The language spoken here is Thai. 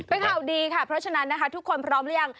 เป็นข่าวดีค่ะเพราะฉะนั้นนะคะทุกคนพร้อมหรือยัง